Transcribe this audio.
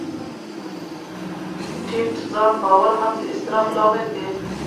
ټیټ ځان باور هم د اضطراب لامل دی.